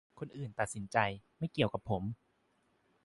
คนอื่นตัดสินใจ ไม่เกี่ยวกับผม